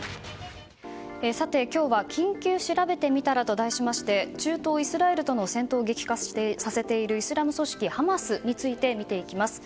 今日は緊急しらべてみたらと題しまして中東イスラエルとの戦闘を激化させているイスラム組織ハマスについて見ていきます。